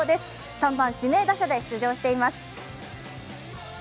３番・指名打者で出場しています。